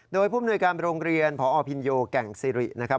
โดยผู้มนวยการโรงเรียนพอพินโยแก่งซิรินะครับ